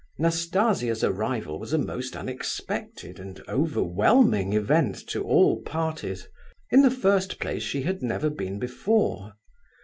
Nastasia's arrival was a most unexpected and overwhelming event to all parties. In the first place, she had never been before.